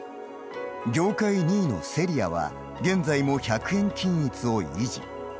業界２位のセリアは現在も１００円均一を維持。